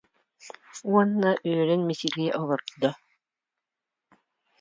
диэн баран элэс гынна, оҕотун кэтэҕин эрэ көрөн хаалла